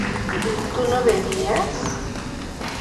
¿tú no bebías?